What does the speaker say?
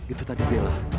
itu tadi bella